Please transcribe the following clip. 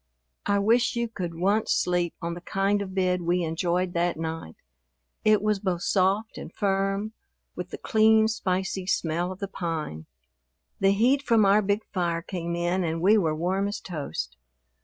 I wish you could once sleep on the kind of bed we enjoyed that night. It was both soft and firm, with the clean, spicy smell of the pine. The heat from our big fire came in and we were warm as toast.